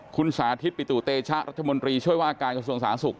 คุณสาธิตปิตุเตชะรัฐมนตรีช่วยว่าการกระทรวงสาธารณสุข